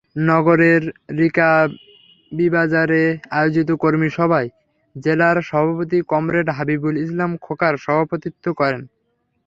নগরের রিকাবিবাজারে আয়োজিত কর্মিসভায় জেলার সভাপতি কমরেড হাবিবুল ইসলাম খোকার সভাপতিত্ব করেন।